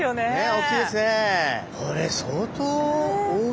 大きいですね。